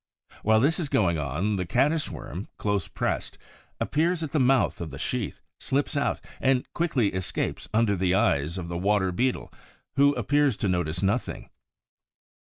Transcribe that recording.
While this is going on, the Caddis worm, close pressed, appears at the mouth of the sheath, slips out, and quickly escapes under the eyes of the Water beetle, who appears to notice nothing.